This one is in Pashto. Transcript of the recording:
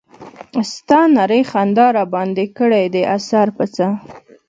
ستا نرۍ خندا راباندې کړے دے اثر پۀ څۀ